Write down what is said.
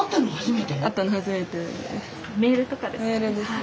メールとかですね。